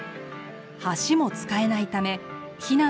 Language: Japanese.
橋も使えないため避難の際